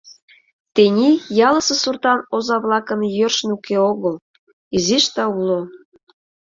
Тений ялысе суртан оза-влакын йӧршын уке огыл, изиш да уло.